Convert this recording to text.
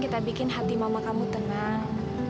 kita bikin hati mama kamu tenang